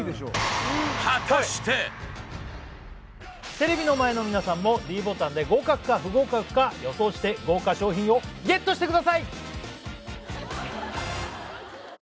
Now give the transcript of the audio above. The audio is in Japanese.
テレビの前の皆さんもｄボタンで合格か不合格か予想して豪華賞品をＧＥＴしてください！